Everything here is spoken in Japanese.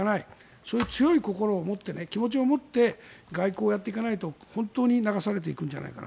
そういう強い心を持って気持ちを持って外交をやっていかないと本当に流されていくんじゃないかな。